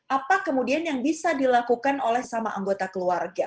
apa kemudian yang bisa dilakukan oleh sama anggota keluarga